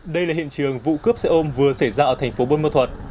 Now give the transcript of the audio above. đây là hiện trường vụ cướp xe ôm vừa xảy ra ở thành phố bôn mô thuật